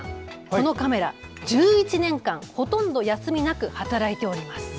このカメラ１１年間ほとんど休みなく働いております。